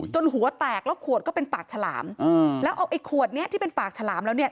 หัวแตกแล้วขวดก็เป็นปากฉลามแล้วเอาไอ้ขวดเนี้ยที่เป็นปากฉลามแล้วเนี่ย